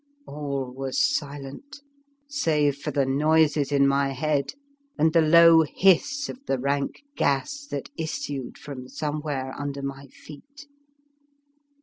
All was silent, save for the noises in my head, and the low hiss of the rank gas that issued form some where under my feet.